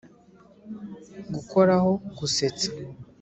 Gukoraho gusetsa